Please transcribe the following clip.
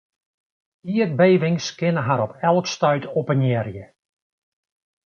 Ierdbevings kinne har op elk stuit oppenearje.